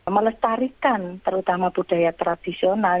melestarikan terutama budaya tradisional